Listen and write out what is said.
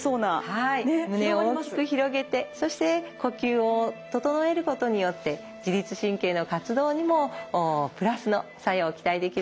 はい胸を大きく広げてそして呼吸を整えることによって自律神経の活動にもプラスの作用期待できるかと思います。